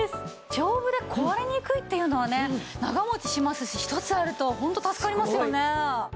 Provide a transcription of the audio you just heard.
丈夫で壊れにくいっていうのはね長持ちしますし１つあるとホント助かりますよね。